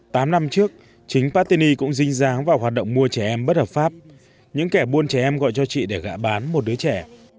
tám năm trước chính paty cũng dinh dáng vào hoạt động mua trẻ em bất hợp pháp những kẻ buôn trẻ em gọi cho chị để gạ bán một đứa trẻ